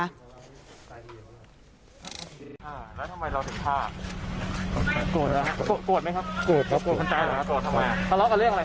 แล้วทำไมเราถึงฆ่า